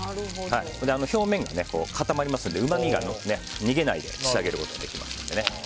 表面が固まりますんでうまみが逃げないで仕上げることができますので。